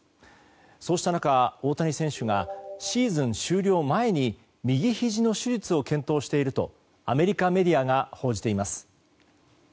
そうした中、大谷選手がシーズン終了前に右ひじの手術を検討しているとアメリカメディアが報じています。